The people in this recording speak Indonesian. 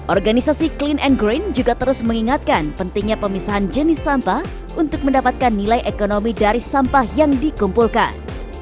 organisasi clean and green juga terus mengingatkan pentingnya pemisahan jenis sampah untuk mendapatkan nilai ekonomi dari sampah yang dikumpulkan